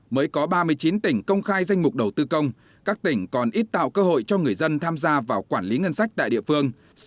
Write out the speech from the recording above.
mới có ba mươi chín tỉnh công khai danh mục đầu tư công các tỉnh còn ít tạo cơ hội cho người dân tham gia vào quản lý ngân sách tại địa phương